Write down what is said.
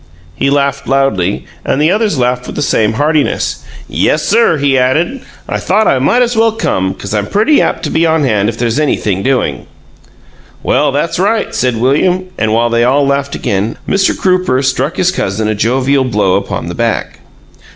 He laughed loudly, and the others laughed with the same heartiness. "Yessir," he added, "I thought I might as well come, 'cause I'm pretty apt to be on hand if there's anything doin'!" "Well, that's right," said William, and while they all laughed again, Mr. Crooper struck his cousin a jovial blow upon the back.